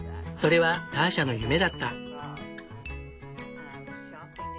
それはターシャの夢だった。